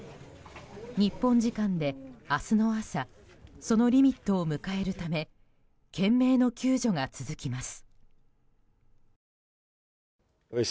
日本時間で明日の朝そのリミットを迎えるため懸命の救助が続きます。